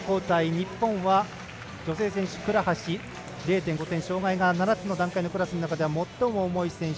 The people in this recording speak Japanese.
日本は女性選手倉橋、０．５点障がいが７つのクラスの中では最も重い選手。